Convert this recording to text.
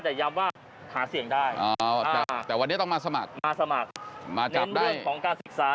แต่ย้ำว่าหาเสียงได้แต่วันนี้ต้องมาสมัครมาสมัครมาจับเรื่องของการศึกษา